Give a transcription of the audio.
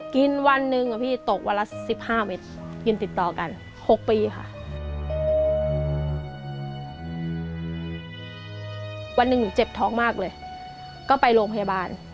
ก็ไปโรงพยาบาล